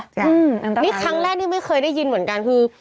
นี่ครั้งแรกที่ไม่เคยได้ยินเหมือนกันคือ